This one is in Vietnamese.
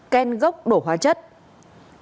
khen gốc đổ hóa chất triệt hạ